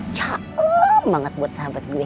caklem banget buat sahabat gue